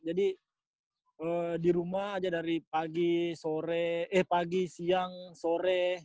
jadi di rumah aja dari pagi siang sore